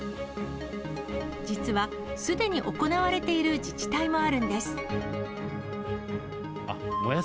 実は、すでに行われている自治体もあるんです。